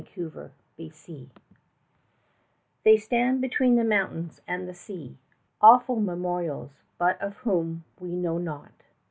PAESTUM They stand between the mountains and the sea; Awful memorials, but of whom we know not!